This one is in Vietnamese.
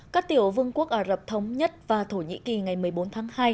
các tiểu vương quốc ả rập thống nhất và thổ nhĩ kỳ ngày một mươi bốn tháng hai